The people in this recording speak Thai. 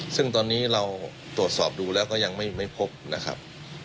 ซึ่งตอนนี้เราตรวจสอบดูแล้วก็ยังไม่พบนะครับ